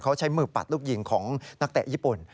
เขาใช้มือปัดลูกยิงของนักเตะญี่ปุ่น